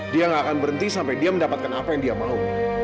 dia nggak akan berhenti sampai dia mendapatkan apa yang dia mau